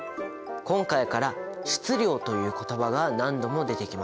今回から質量という言葉が何度も出てきます。